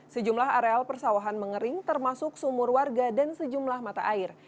sejumlah areal persawahan mengering termasuk sumur warga dan sejumlah mata air